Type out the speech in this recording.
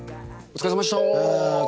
お疲れさまでした。